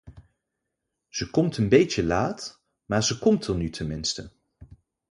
Ze komt een beetje laat, maar ze komt er nu tenminste.